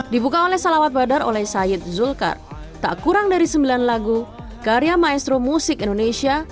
dibuka oleh salawat badar oleh said zulkar tak kurang dari sembilan lagu karya maestro musik indonesia